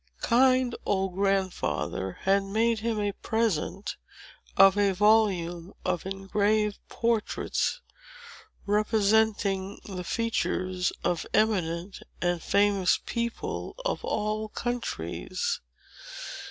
Kind old Grandfather had made him a present of a volume of engraved portraits, representing the features of eminent and famous people of all countries.